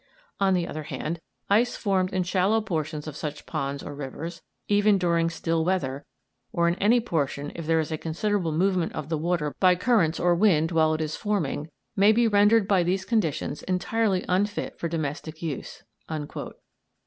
On the other hand, ice formed in shallow portions of such ponds or rivers, even during still weather, or in any portion if there is a considerable movement of the water by currents or wind while it is forming, may be rendered by these conditions entirely unfit for domestic use."